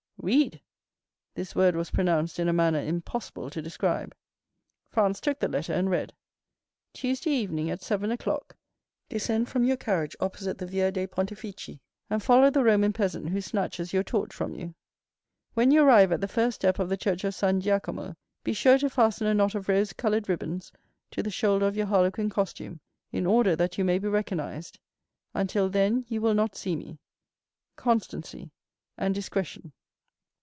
"Read." This word was pronounced in a manner impossible to describe. Franz took the letter, and read: "Tuesday evening, at seven o'clock, descend from your carriage opposite the Via dei Pontefici, and follow the Roman peasant who snatches your torch from you. When you arrive at the first step of the church of San Giacomo, be sure to fasten a knot of rose colored ribbons to the shoulder of your harlequin costume, in order that you may be recognized. Until then you will not see me. —Constancy and Discretion."